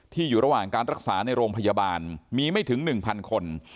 อยู่ระหว่างการรักษาในโรงพยาบาลมีไม่ถึง๑๐๐คน